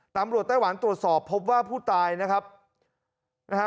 ไต้หวันตรวจสอบพบว่าผู้ตายนะครับนะฮะ